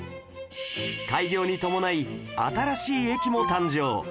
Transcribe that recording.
開業に伴い新しい駅も誕生